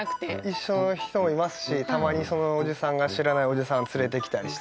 一緒の人もいますしたまにそのおじさんが知らないおじさんを連れてきたりしてましたね。